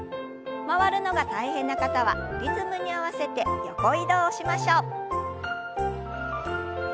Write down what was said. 回るのが大変な方はリズムに合わせて横移動をしましょう。